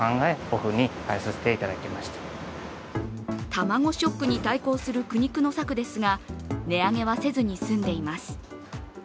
タマゴショックに対抗する苦肉の策ですが、値上げはせずに済んでいます。